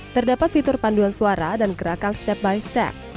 terdapat fitur panduan suara dan gerakan step by step